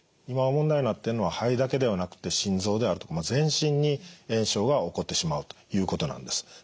今問題になってるのは肺だけではなくて心臓であるとか全身に炎症が起こってしまうということなんです。